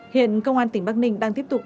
hiện công an tỉnh bắc ninh đang tiếp tục